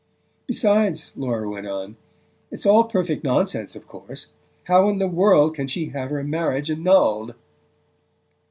"Besides," Laura went on, "it's all perfect nonsense, of course. How in the world can she have her marriage annulled?"